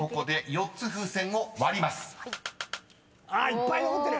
いっぱい残ってる！